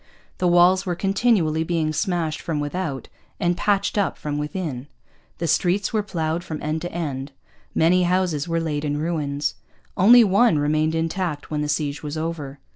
The walls were continually being smashed from without and patched up from within. The streets were ploughed from end to end. Many houses were laid in ruins: only one remained intact when the siege was over.